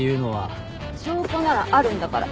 証拠ならあるんだから。